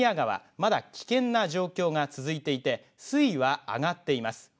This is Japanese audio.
まだ危険な状況が続いていて水位は上がっています。